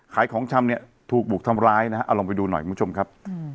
ของชำเนี่ยถูกบุกทำร้ายนะฮะเอาลองไปดูหน่อยคุณผู้ชมครับ